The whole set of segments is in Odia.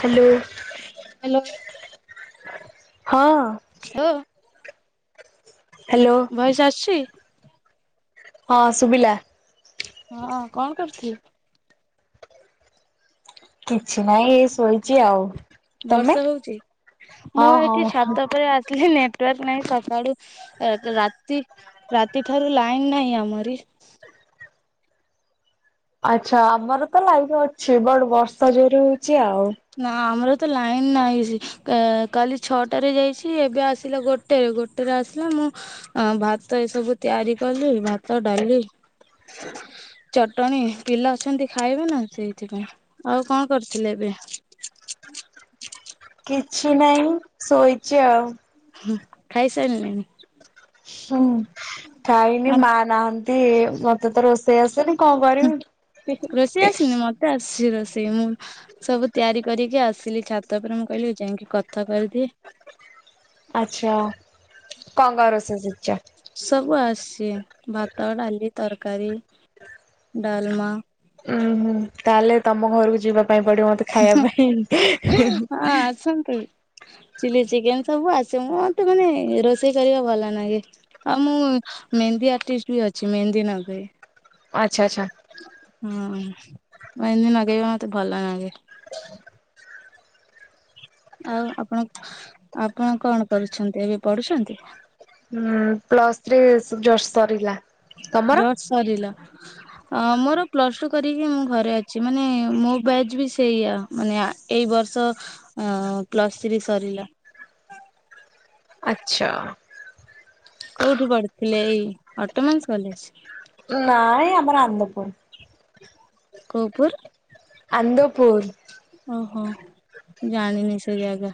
ହ୍ୟାଲୋ। ହ୍ୟାଲୋ। ହଁ। ହାଲୋ। ହ୍ୟାଲୋ। ଭଏସ୍ ଆସୁଚି। ହଁ ଶୁବିଲା। ହଁ ଅ କଣ କରୁଥିଲୁ। କିଛି ନାଇଁ ଏ ଶୋଇଚି ଆଉ। ତମେ? ବର୍ଷା ହୋଉଚି ହଁ ମୁଁ ହଁ ଏଠି ଛାତ ଉପରେ ଆସି ହେ ନେଟୱାର୍କ ନାହିଁ ସକାଳୁ ରାତି ରାତିଠାରୁ ଲାଇନ ନାହିଁ ଆମରି। ଆଚ୍ଛା ଆମର ତ ଲାଇଫ ଅଛି ବଟ ବର୍ଷା ଜୋରେ ହୋଉଚି ଆଉ। ନା ଆମର ତ ଲାଇନ ନାହିଁ ସି କାଲି ଛଅଟାରେ ଯାଇଛି ଏବେ ଆସିଲା ଗୋଟ ଟେ ଗୋଟେରେ ଆସିଲା ମୁଁ ଭାତ ଏସବୁ ତିଆରି କଲି ଭାତ ଡାଲି [inaudible] ଚଟଣୀ ପିଲା ଅଛନ୍ତି ଖାଇବେ ନା ସେଇଥିପାଇଁ ଆଉ କଣ କରିଥିଲେ ଏବେ। [inaudible] କିଛି ନାହିଁ ଶୋଇଚି ଆଉ। ହୁଁ ଖାଇସାରିଲେଣି। ହୁଁ ଖାଇନି କଣ ମା ନାହାନ୍ତି ମତେ ତ ରୋଷେଇ ଆସେନି କଣ କରିବି। ରୋଷେଇ ଆସିନି ମତେ ଆସିଚି ରୋଷେଇ ମୁଁ ସବୁ ତିଆରି କରିକି ଆସିଲି ଛାତ ଉପରେ ମୁଁ କହିଲି ଯାଇକି କଥା କରିଦିଏ। ଆଛା କଣ କର ରୋଷେଇ ସିକିଚ୍। ସବୁ ଆସ୍ଚି ଭାତ ଡାଲି ତରକାରୀ ଡାଲମା। ଉୁଁ ହୁଁ ତାହେଲେ ତମ ଘରକୁ ଯିବା ପାଇଁ ପଡିବ ମତେ ଖାଇବା ପାଇଁ। ସନ୍ତି। ଚିଲି ଚିକେନ ସବୁ ଆସେ ମଁ ମତେ ମାନେ ରୋଷେଇ କରିବା ଭଲ ନାଗେ। ଆଉ ମୁଁ ମେହେନ୍ଦୀ ଆର୍ଟିଷ୍ଟ ବି ଅଛି ମେହେନ୍ଦୀ ନଗଏ। ଆଚ୍ଛା ଆଚ୍ଛା। ହଁ ମେହେନ୍ଦୀ ନଗେଇବା ମତେ ଭଲଲାଗେ। ଆଉ ଆପଣ ଆପଣ କଣ କରୁଛନ୍ତି ଏବେ ପଢୁଛନ୍ତି। ହୁଁ ପ୍ଲସ୍ ଥିର୍ ଜଷ୍ଟ ସରିଲା। ତମର? ଜୋର୍ ସରିଲା। ହଁ ମୋର ପ୍ଲସ୍ ଟୁ କରିକି ମୁଁ ଘରେ ଅଛି ମାନେ ମୋ ବ୍ୟାଚ୍ ବି ସେଇ ଆ। ମାନେ ଏଇ ବର୍ଷ ପ୍ଲସ୍ ଥ୍ରୀ ସରିଲା। ଆଛା। କୋଉଠି ପଢିଥିଲେ ଏଇ ଅଟୋମସ୍ କଲେଜ। ନାଇଁ ଆମର ଆନ୍ଦପୁର୍। କୋ ଉ ପୁୁର୍। ଅନ୍ଦପୁୁର୍। ଓହୋ ଜାଣିନି ସେ ଜାଗା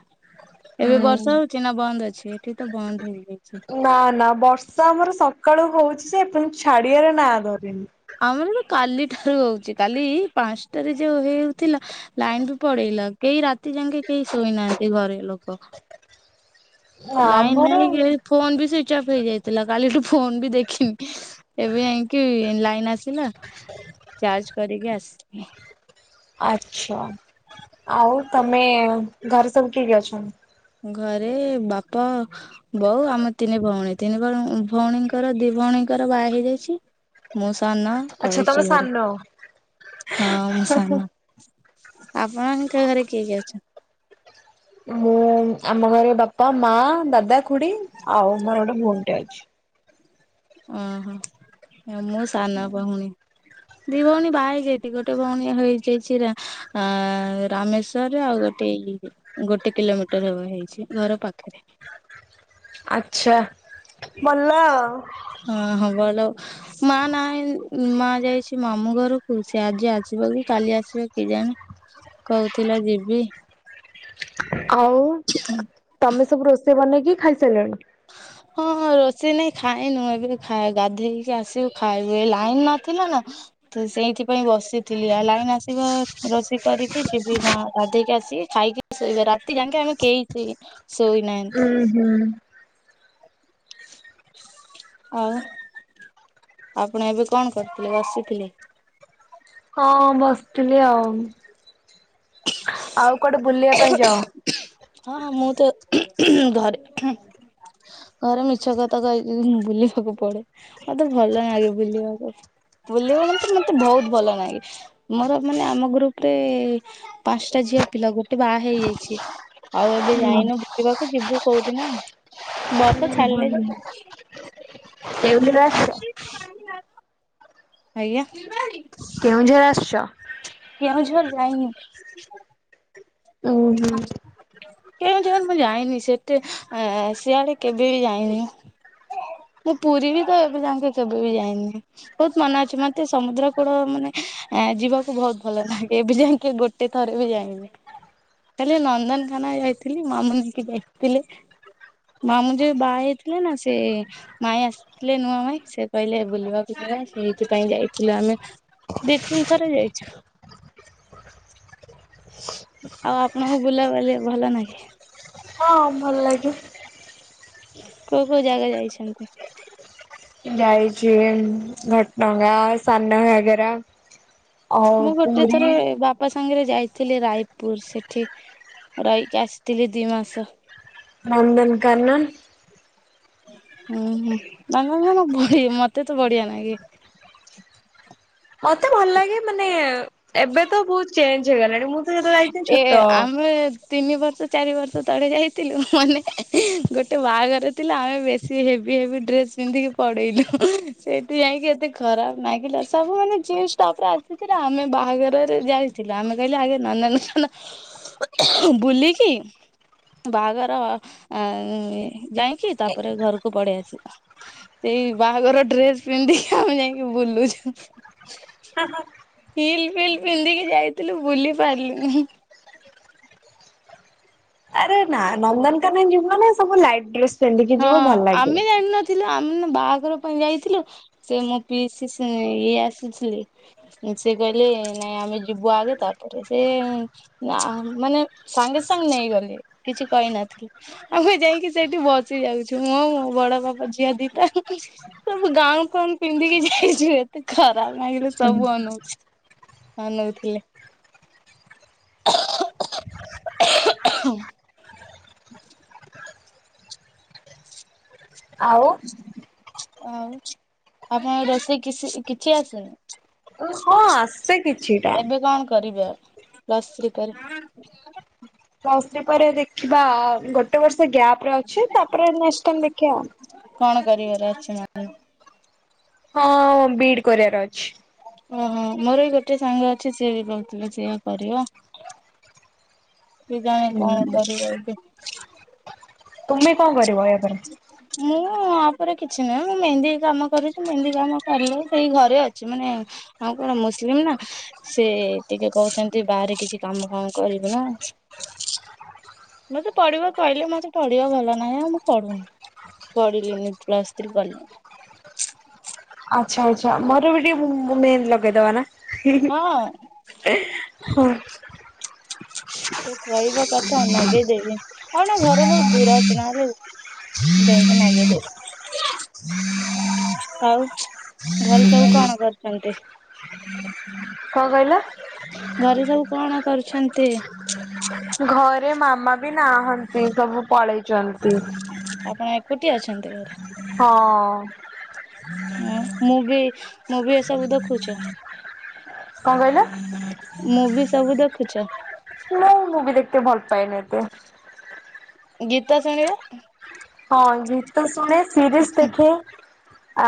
ଏବେ ବର୍ଷା ହୁଁ। ହୋଉ ଚିନା ବନ୍ଦ ଅଛି ଏଠି ତ ବନ୍ଦ ହେଇଯାଇଛି। ନା ନା ବର୍ଷା ଆମର ସକାଳୁ ହୋଉଚି ଯେ ଏପର୍ଯ୍ୟନ୍ତ ଛାଡିବାର ନା ଧରୁନି। ଆମରର କାଲି ଠାରୁ ହୋଉଚି। କାଲି ପାଞ୍ଚଟାରେ ଯୋଉ ହେଉଥିଲା। ଲାଇନ୍ ବି ପଳେଇଲା କେହି ରାତି ଯାକେ କେହି ଶୋଇନାହାନ୍ତି ଘରେ ଲୋକ। ଲାଇନ୍ ଆମର ନାହିଁବେଲି ଫୋନ ବି ସୁଇଜ୍ ଅଫ୍ ହେଇଯାଇଥିଲା। କାଲିଠୁ ଫୋନ ବି ଦେଖିନି। ଏବେ ଯାଇକି ଲାଇନ୍ ଆସିଲା ଚାର୍ଜ କରିକି ଆସିବି। ଆଚ୍ଛା ଆଉ ତମେ ଘରେ ସବୁ କିଏ କିଏ ଅଛନ୍ତି? ଘରେ ବାପା ବୋଉ ଆମ ତିନି ଭଉଣୀ ତିନି ଭ ଭଉଣୀଙ୍କର ଦି ଭଉଣୀଙ୍କର ବାହା ହେଇଯାଇଛି। ମୁଁ ସାନ ଆଚ୍ଛା ତମେ ରହିଚି ଘରେ। ସାନ? ହଁ ମୁଁ ସାନ। ଆପଣଙ୍କ ଘରେ କିଏ କିଏ ଅଛନ୍ତି? ମୁଁ ଆମ ଘରେ ବାପା ମା ଦାଦା ଖୁଡି ଆଉ ମୋର ଗୋଟେ ଭଉଣୀ ଟେ ଅଛି। ଓହୋ ମୁଁ ସାନ ଭଉଣୀ। ଦି ଭଉଣୀ ବାହା ହେଇ ଯାଇଚି ଗୋଟେ ଭଉଣୀ ହେଇଯାଇଚି ରା ଆ ରାମେଶ୍ବରରେ ଆଉ ଗୋଟେଇଲିରେ। ଗୋଟେ କିଲୋମିଟର ହବ ହେଇଚି ଘର ପାଖରେ। ଆଚ୍ଛା ଭଲ ଆଉ। ହଁ ହଁ ଭଲୁ। ମା ନାଇଁ ମା ଯାଇଚି ମାମୁଁ ଘରୁକୁ। ସେ ଆଜି ଆସିବ କି କାଲି ଆସିବ କି ଜାଣି। କହୁଥିଲା ଯିବି। ଆଉ ତମେ ସବୁ ରୋଷେଇ ବନେଇକି ଖାଇସାଇଲଣି? ହଁ ରୋଷେଇ ନାଇଁ ଖାଇନୁ ଏବେ ଖା ଗାଧେଇକି ଆସିବୁ ଖାଇବୁ। ଏ ଲାଇନ ନଥିଲା ନା। ତ ସେଇଥିପାଇଁ ବସିଥିଲି ଆ ଲାଇନ୍ ଆସିବ ରୋଷେଇ କରିକି ଯିବି ନା ଗାଧେଇକି ଆସିକି ଖାଇକି ଶୋଇବା ରାତି ଯାକେ ଆମେ କେହି ଶୋଇନାହାନ୍ତି। ହୁଁ ହୁଁ। ଆଉ ଆପଣ ଏବେ କଣ କରିଥିଲେ? ବସିଥିଲେ। ହଁ ବସିଥିଲି ଆଉ। ଆଉ କୁଆଡେ ବୁଲିବା ପାଇଁ ଯାଅ? ହଁ ମୁଁ ତ ଘରେ ଘରେ ମିଛ କଥା କହିକି ବୁଲିବାକୁ ପଡେ। ମତେ ଭଲ ଲାଗେ ବୁଲିବାକୁ। ବୁଲିବାକୁ ତ ମତେ ବହୁତ୍ ଭଲ ଲାଗେ। ମୋର ମାନେ ଆମ ଗ୍ରୁପରେ ପାଞ୍ଚ୍ଟା ଝିଅ ପିଲା ଗୋଟେ ବାହା ହେଇଯାଇଛି। ଆଉ ଏବେ ଯାଇନୁ ବୁଲିବାକୁ ଯିବୁ କୋଉଦିନ। ବର୍ଷା ଛାଡିଲେ ଯିବି। କେଉଁଝର ଆସିଛ? ଆଜ୍ଞା। କେଉଁଝର ଆସିଛ? କେଉଁଝର ଯାଇନି। ଉଁ ହୁଁ। କେଉଁଝର ମୁଁ ଯାଇନି ସେତେ ସିଆଡେ କେବେ ବି ଯାଇନି। ମୁଁ ପୁରୀ ବି ତ ଏବେ ଯାକେ କେବେ ବି ଯାଇନି। ବହୁତ୍ ମନ ଅଛି ମତେ ସମୁଦ୍ର କୂଳ ମାନେ ଆ ଯିବାକୁ ବହୁତ୍ ଭଲ ଲାଗେ ଏବେ ଯାଏଁକି ଗୋଟେ ଥରେ ବି ଯାଇନି। ହେଲେ ନନ୍ଦନକାନନ ଯାଇଥିଲି ମାମୁନିକି ଦେଖିଥିଲି। ମାମୁଁ ଯୋଉ ବାହା ହେଇଥିଲେ ନା ସେ ମାଇଁ ଆସିଥିଲେ ନୂଆ ମାଇଁ ସେ କହିଲେ ବୁଲିବାକୁ ଯିବା। ସେଇଥିପାଇଁ ଯାଇଥିଲୁ ଆମେ। ଦି ତିନି ଥର ଯାଇଛୁ। ଆଉ ଆପଣଙ୍କୁ ବୁଲା ବୋଲି ଭଲ ନାଗେ? ହଁ ଭଲ ଲାଗେ। କୋଉ କୋଉ ଜାଗା ଯାଇଛନ୍ତି। ଯାଇଛି ଘଟଙ୍ଗା ସାନ ଘାଗେରା। ଆଉ ମୁଁ ଗୋଟେ ପୁରୀ। ଥରେ ବାପା ସାଙ୍ଗରେ ଯାଇଥିଲେ ରାୟପୁର ସେଠି ରହିକି ଆସିଥିଲି ଦି ମାସ। ନନ୍ଦନକାନନ। ହୁଁ ହୁଁ ବୁଢ଼ୀ ମତେ ତ ବଢିଆ ନାଗେ। ମତେ ଭଲ ଲାଗେ ମାନେ ଏବେ ତ ବହୁତ ଚେଞ୍ଜ ହେଇଗଲାଣି ମୁଁ ତ ଯେତେବେଳେ ଯାଇଥିଲି ଏ ଛୋଟ ଆମେ। ତିନି ବର୍ଷ ଚାରି ବର୍ଷ ତଳେ ଯାଇଥିଲୁ ମାନେ ଗୋଟେ ବାହାଘର ଥିଲା ଆମେ ବେଶୀ ସେ ହେଭି ହେଭି ଡ୍ରେସ୍ ପିନ୍ଧିକି ପଳେଇଲୁ ସେଠି ଯାଇକି ଏତେ ଖରାପ ନାଗିଲା ସବୁ ମାନେ ତାପରେ ଆସିଥିଲା ଆମେ ବାହାଘରରେ ଯାଇଥିଲୁ ଆମେ କହିଲୁ ଆଗ ନନ୍ଦନ କାନନ ବୁଲିକି। ବାହାଘର ଯାଇକି ତାପରେ ଘରକୁ ପଳେଇ ଆସିଲୁ। ସେଇ ବାହାଘର ଡ୍ରେସ ପିନ୍ଧିକି ଆମେ ଯାଇକି ବୁଲୁଛୁ। ହା ହା ହିଲ୍ ଫିଲ୍ ପିନ୍ଧିକି ଯାଇଥିଲୁ ବୁଲି ପାରିଲୁନି। ଆରେ ନା ନା ନନ୍ଦନକାନନ ଯିବ ମାନେ ସବୁ ଲାଇଟ୍ ଡ୍ରେସ ପିନ୍ଧିକି ଯିବ ଭଲ ଲାଗିବ। ଥିଲ ଆମେ ନା ବାହାଘର ପାଇଁ ଯାଇଥିଲୁ ସେ ମୋ ପିଇସି ଇଏ ଆସିଥିଲେ। ସେ କହିଲେ ନାଇଁ ଆମେ ଯିବୁ ଆଗେ ତାପରେ ଯେ। ନା ମାନେ ସାଙ୍ଗେ ସାଙ୍ଗେ ନେଇଗଲେ କିଛି କହିନଥିଲି। ଆମେ ଯାଇକି ସେଇଠି ବସି ଯାଉଛୁ ମୁଁ ଆଉ ମୋ ବଡ ବାପା ଝିଅ ଦି ଟା। ସବୁ ଗାଉନ ଫାଉନ୍ ପିନ୍ଧିକି ଯାଇଛୁ ଏତେ ଖରାପ ଲାଗିଲା ସବୁ ଅନଉଚ ଅନାଉଥିଲେ। ଆଉ ଆଉ ଆପଣଙ୍କ ରୋଷେଇ କିଛି କିଛି ଆସିନି? ହଁ ଆସେ କିଛିଟା ଏବେ କଣ କରିବେ ଆଉ ପ୍ଲସ୍ ଥ୍ରୀ ପରେ? ପ୍ଲସ ଥ୍ରି ପରେ ଦେଖିବା ଗୋଟେ ବର୍ଷ ଗ୍ୟାପରେ ଅଛି ତାପରେ ନେକ୍ସଟ୍ ଟାଇମ ଦେଖିବା। କଣ କରିବାର ଅଛି ମ? ହଁ ବିଏଡ କରିବାର ଅଛି। ଓହୋ ମୋର ବି ଗୋଟେ ସାଙ୍ଗ ଅଛି ସିଏ ବି କହୁଥିଲେ ସେଇଆ କରିବ। କେଜାଣି କଣ ହୁଁ। କରିବ ଏବେ। ତୁମେ କଣ କରିବ ଏହା ପରେ? ମୁଁ ୟା ପରେ କିଛି ନୁହେଁ ମୁଁ ମେହେନ୍ଦି କାମ କରୁଛି ମେହେନ୍ଦି କାମ କରିଲେ ସେଇ ଘରେ ଅଛି ମାନେ ଆମେ କଣ ମୁସଲିମ ନା ସେ ଟିକେ କହୁଛନ୍ତି ବାହାରେ କିଛି କାମ ଫାମ କରିବୁନୁ। ମତେ ପଢିବା କହିଲେ ମତେ ପଢିବା ଭଲ ନାହିଁ ଆଉ ମୁଁ ପଢୁନି। ପଢ଼ିଲିନି ପ୍ଲସ ଥ୍ରି ପଢିଲିନି। ଆଚ୍ଛା ଆଚ୍ଛା ମୋର ବି ଟିକେ ମେହେନ୍ଦି ଲଗେଇଦବା ନା। ହଁ ହଁ ଏ କହିବ କଥା ନଗେଇଦେବି ହଉ ନା ଘର ବହୁତ ଦୂର ଅଛି ନହେଲେ ଯାଇକି ନଗେଇଦେବି। ଆଉ ଘରେ ସବୁ କଣ କରୁଛନ୍ତି? ହୁଁ ହୁଁ। କଣ କହିଲ? ଘରେ ସବୁ କଣ କରୁଛନ୍ତି? ଘରେ ମାମା ବି ନାହାନ୍ତି ସବୁ ପଳେଇଛନ୍ତି। ଅପା ଏକୁଟିଆ ଅଛନ୍ତି। ହଁ। ହଁ ମୁଁ ବି, ମୁଁ ବି ଏସବୁ ଦେଖୁଛ। କଣ କହିଲ। ମୁଭି ସବୁ ଦେଖୁଛ। ମୁଁ, ମୁଭି ଦେଖତେ ଭଲ ପାଏନି ଏତେ। ଗୀତ ଶୁଣିବା। ହଁ ଗୀତ ଶୁଣେ ସିରିସ ଦେଖେ,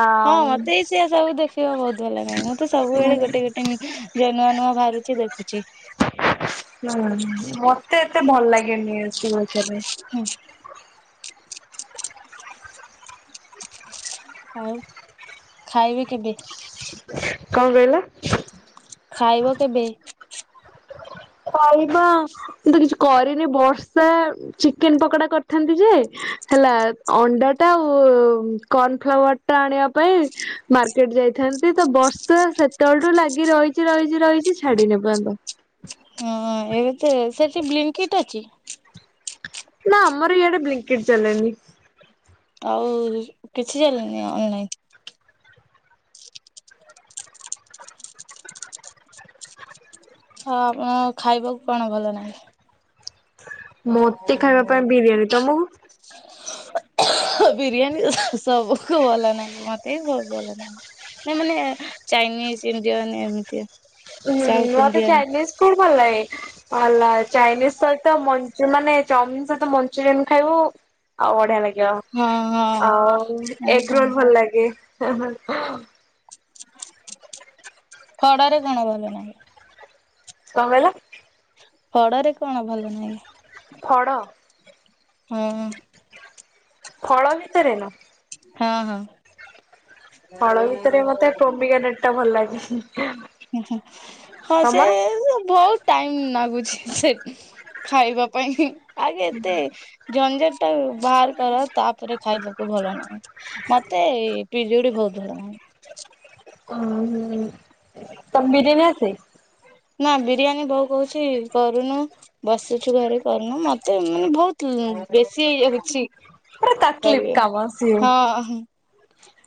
ଆଉ। ସେ ସବୁ ଦେଖିବା ବହୁତ ଭଲ ପାଏ। ମୁଁ ତ ସବୁବେଳେ ଗୋଟେ ହୁଁ ଗୋଟେ ନୂଆ ନୂଆ ବାହାରୁଛି ଦେଖୁଛି। ହୁଁ, ମତେ ଏତେ ଭଲ ଲାଗେନି ରିଲ୍ସ ଦେଖିବା ପାଇଁ। ହୁଁ। ଆଉ ଖାଇବେ କେବେ। କଣ କହିଲ। ଖାଇବ କେବେ। ଖା, ମୁ ତ କିଛି କରିନି ବର୍ଷା ଚିକେନ ପକୋଡା କରିଥାନ୍ତି ଯେ। ହେଲା ଅଣ୍ଡା ଟା ଆଉ କର୍ଣ ଫ୍ଲାୱାରା। ଅଟା ଆଣିବା ପାଇଁ ମାର୍କେଟ ଯାଇଥାନ୍ତି। ତ ବର୍ଷା ସେତେବେଳଠୁ ଲାଗି ରହି ଛି ରହିଛି ରହିଛି ଛାଡିନି ଏ ପର୍ଯ୍ୟନ୍ତ। ହଁ, ଏବେ ତ ସେଠି ବ୍ଲିନ୍ କିଟ୍ ଅଛି। ନା ଆମର ଇଆଡେ ବ୍ଲିନ କିଟ୍ ଚାଲେନି। ଆଉ କିଛି ଚାଲିଲାନି ଅନଲାଇନ। ହଁ ଆପଣକୁ ଖାଇବାକୁ କଣ ଭଲ ଲାଗେ। ମୋତେ ଖାଇବା ପାଇଁ ବିରିୟାନୀ। ତମକୁ। ହ ବିରିୟାନୀ ସବୁକୁ ଭଲ ଲାଗେ ମତେ ବି ବହୁତ ଭଲ ଲାଗେ। ନା ମାନେ ଚାଇନିସ, ଇଣ୍ଡିଆନ ଏମିତି। ହୁଁ ସାଉଥ ମତେ ଇଣ୍ଡିଆନ ଚାଇନିସ କୁଡ ଭଲ ଲାଗେ ହେଲା। ଚାଇନିସ ସହିତ ମ ଯୋଉ ମାନେ ଚାଉମିନ ସହିତ ମଞ୍ଚୁରିୟନ ଖାଇବୁ। ଆଉ ବଢିଆ ଲାଗି ହଁ ବ ହଁ। ଆଉ ଆଉ ଏଗରୋଲ କଣ ଭଲ ଲାଗେ। କଡାରେ କଣ ଭଲ ନାହିଁ। କଣ କହିଲ। କଡାରେ କଣ ଭଲ ନାହିଁ। କଣ? ହଁ। ଫଳ ଭିତେରେ ନା। ହଁ ହଁ। ଫଳ ଭିତରେ ମତେ ଟୋମିକା ତେଟ୍ ଟା ଭଲ ଲାଗେ। ହଁ ସେ ତମର? ବହୁତ। ଟାଇମ ଲାଗୁଛି ସେ, ଖାଇବା ପାଇଁ ଆଉ କେତେ। ଜଣେ ଜଣେ ଟା ବାହାର କର ତାପରେ ଖାଇବାକୁ ଭଲ ଲାଗେ ମତେ। ପିଜୁଳି ବହୁତ ବଡ ହୁଏ। ଅଁ ମୁଁ ତମ ବିରିୟାନୀ ଅସେ। ନା ବିରିୟାନୀ ବୋଉ କହୁଛି କରୁନୁ। ବସିଛୁ ଘରେ କରୁନୁ ମତେ ମାନେ ବହୁତ ବେଶୀ ହେଇଯାଉଛି। ପୁରା ତାକ୍ଲିଫ୍ କାମ ସିଏ। କରିବା ହଁ।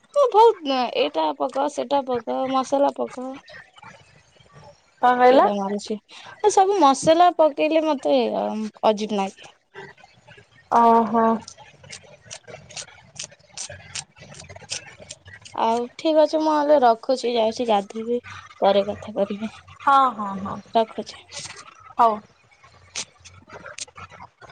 [unintelligible] ବହୁତ ଏଇଟା ପକାଅ ସେଟା ପକା ମସଲା ପକାଅ, କଣ କହିଲ? ଛିଡା ମାରୁଛି। ଆ ସବୁ ମସଲା ପକେଇଲେ ମତେ [unintelligible] ଅଜିବି ନାଗେ। ଓହୋ। [inaudible] ଆଉ ଠିକ ଅଛି ମୁଁ [unintelligible] ରଖୁଛି, ଯାଉଛି ଗାଧୋଇବି ପରେ କଥା କରିବି। ହଁ ହଁ ହଁ। ରଖୁଛି। ହଉ।